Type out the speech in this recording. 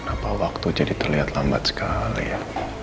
apa waktu jadi terlihat lambat sekali ya